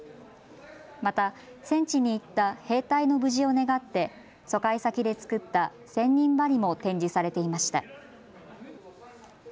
また戦地に行った兵隊の無事を願って疎開先で作った千人針も展示されていました。